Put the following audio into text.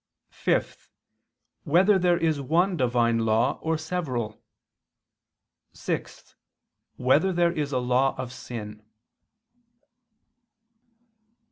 (5) Whether there is one Divine law, or several? (6) Whether there is a law of sin?